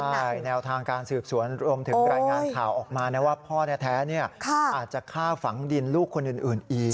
ใช่แนวทางการสืบสวนรวมถึงรายงานข่าวออกมานะว่าพ่อแท้อาจจะฆ่าฝังดินลูกคนอื่นอีก